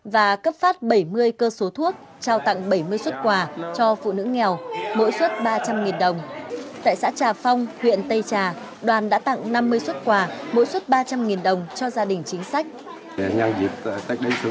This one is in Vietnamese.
và các đất nước việt nam một sức khỏe giàu giàu